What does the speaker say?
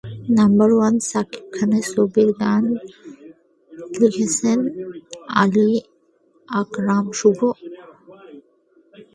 Number one Shakib Khan ছবির গান লিখেছেন আলী আকরাম শুভ।